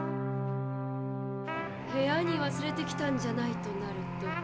部屋に忘れてきたんじゃないとなると。